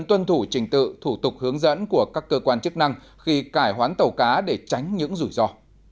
tuân thủ trình tự thủ tục hướng dẫn của các cơ quan chức năng khi cải hoán tàu cá để tránh những rủi ro